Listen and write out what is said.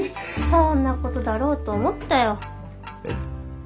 そんなことだろうと思ったよ。